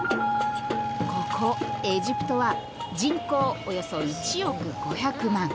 ここエジプトは人口およそ１億５００万。